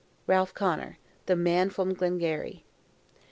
RALPH CONNOR: "The Man from Glengarry."